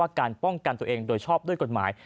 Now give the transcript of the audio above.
อาวุธหมายการปล้องกันตัวเองโดยชอบด้วยกฎหมาย